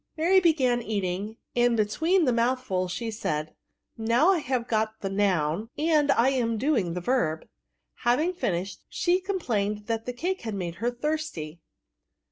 Mary began eating, and, between the mouthfols, she said, « Now I have got the noun, and I am doing the verb.*^ Having finished, she c(»nplained that the eake had made her thirsty.